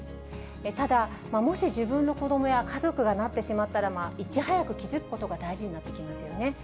ただ、もし自分の子どもや家族がなってしまったら、いち早く気付くことが大事になってきますよね。